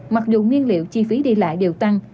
mặc dù nguyên liệu chi phí đi lại đều tăng